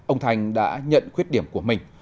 ông thanh đã nhận khuyết điểm của mình